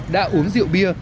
đã uống rượu bia